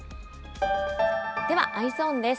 では、Ｅｙｅｓｏｎです。